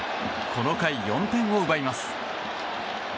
この回、４点を奪います。